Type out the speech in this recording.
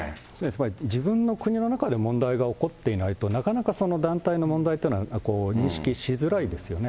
つまり自分の国の中で問題が起こっていないと、なかなか団体の問題というのは認識しづらいですよね。